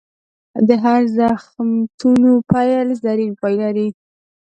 هر د زخمتونو پیل؛ زرین پای لري.